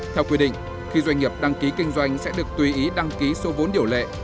theo quy định khi doanh nghiệp đăng ký kinh doanh sẽ được tùy ý đăng ký số vốn điều lệ